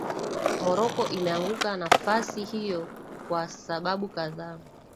Morocco imeanguka nafasi hiyo kwa sababu kadhaa